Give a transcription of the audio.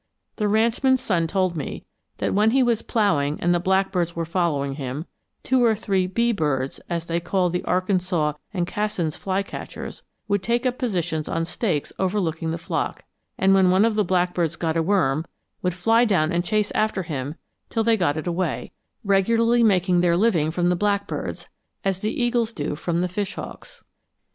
The ranchman's son told me that when he was plowing and the blackbirds were following him, two or three 'bee birds,' as they call the Arkansas and Cassin's flycatchers, would take up positions on stakes overlooking the flock; and when one of the blackbirds got a worm, would fly down and chase after him till they got it away, regularly making their living from the blackbirds, as the eagles do from the fish hawks. [Illustration: In Hot Pursuit. (Brewer's Blackbird and Bee birds.)